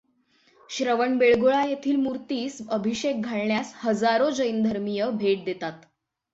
श्रवण बेळगोळा येथील मूर्तीस अभिषेक घालण्यास हजारो जैन धर्मीय भेट देतात.